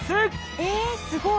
えすごい！